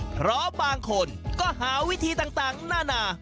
เพราะบางคนก็หาวิธีต่างนานา